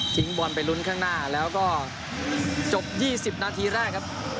จบ๒๐นาทีแรกครับ